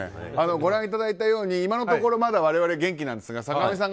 ご覧いただいたように今のところまだ我々元気なんですよね。